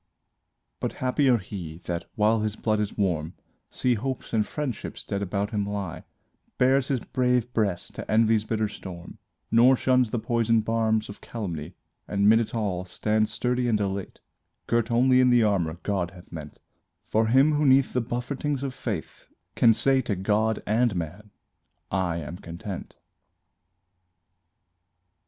But happier he, that, while his blood is warm, See hopes and friendships dead about him lie Bares his brave breast to envy's bitter storm, Nor shuns the poison barbs of calumny; And 'mid it all, stands sturdy and elate, Girt only in the armor God hath meant For him who 'neath the buffetings of fate Can say to God and man: "I am content."